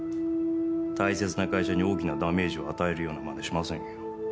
大切な会社に大きなダメージを与えるような真似しませんよ。